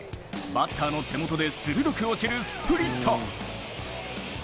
バッターの手元で鋭く落ちるスプリット。